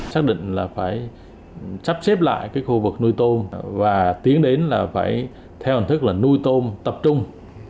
xác định là phải sắp xếp lại cái khu vực nuôi tôm và tiến đến là phải theo hình thức là nuôi tôm tập trung